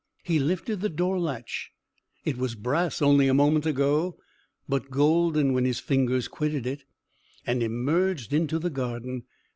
He lifted the doorlatch (it was brass only a moment ago, but golden when his fingers quitted it), and emerged into the garden.